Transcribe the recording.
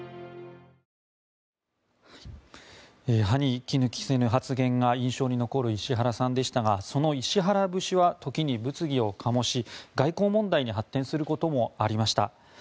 歯に衣着せぬ発言が印象に残る石原さんでしたがその石原節は時に物議を醸し外交問題に発展することもありました。